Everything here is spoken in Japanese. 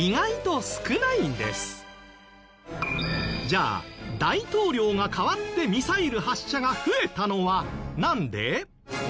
じゃあ大統領が代わってミサイル発射が増えたのはなんで？